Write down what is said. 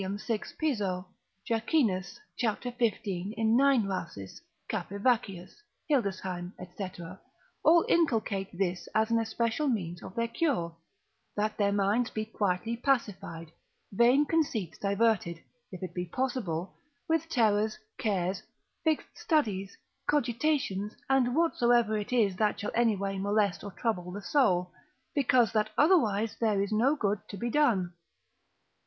6. Piso, Jacchinus, cap. 15. in 9. Rhasis, Capivaccius, Hildesheim, &c., all inculcate this as an especial means of their cure, that their minds be quietly pacified, vain conceits diverted, if it be possible, with terrors, cares, fixed studies, cogitations, and whatsoever it is that shall any way molest or trouble the soul, because that otherwise there is no good to be done.